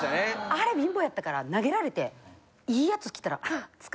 あれ貧乏やったから投げられていいやつ来たら。